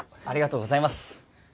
ありがとうございます。